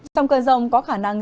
trong cơn rông có khả năng